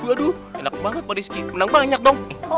waduh enak banget pak rizky menang banyak dong